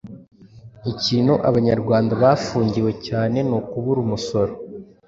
ikintu Abanyarwanda bafungiwe cyane ni ukubura umusoro.